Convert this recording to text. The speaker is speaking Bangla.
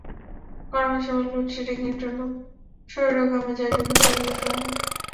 গরমের সময় লোডশেডিংয়ের জন্য শরীরও ঘামে, যার জন্য ক্যালরি ক্ষয় হয়।